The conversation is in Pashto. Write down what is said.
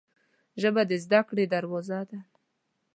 ژبه د زده کړې دروازه ده